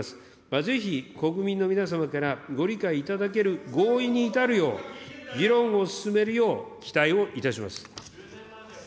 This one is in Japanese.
ぜひ国民の皆様からご理解いただける合意に至るよう、議論を進めるよう、期待をいたします。